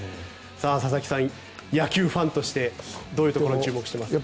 佐々木さん、野球ファンとしてどういうところに注目していますか？